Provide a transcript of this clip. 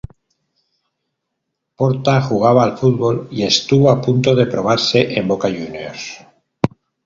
Porta jugaba al fútbol y estuvo a punto de probarse en Boca Juniors.